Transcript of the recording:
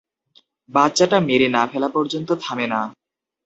বাচ্চাটা মেরে না ফেলা পর্যন্ত থামে না।